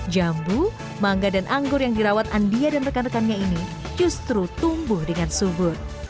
jambu mangga dan anggur yang dirawat andia dan rekan rekannya ini justru tumbuh dengan subur